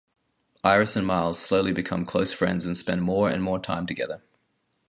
Iris and Miles slowly become close friends and spend more and more time together.